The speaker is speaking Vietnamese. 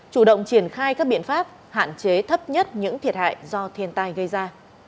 chủ động triển khai các biện pháp hạn chế thấp nhất những thiệt hại do thiên tai gây ra